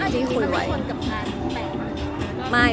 ที่คุณไว้